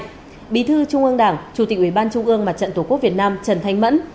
ubnd bí thư trung ương đảng chủ tịch ubnd trung ương mặt trận tổ quốc việt nam trần thanh mẫn